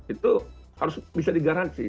itu harus bisa digaransi